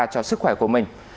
cho sức khỏe của mình